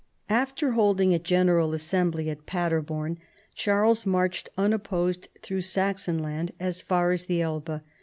After holding a general assembly at Paderborn, Charles marched unopposed through Saxon land as far as the Elbe.